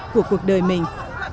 của cuộc đời mình